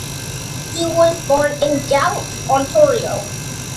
He was born in Galt, Ontario.